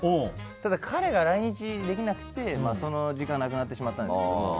ただ、彼が来日できなくてその時間は無くなってしまったんですけど。